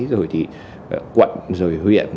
rồi thì quận rồi huyện